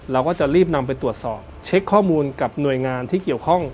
เราก็จะรีบนำไปตรวจสอบเช็คข้อมูลกับหน่วยงานที่เกี่ยวข้อง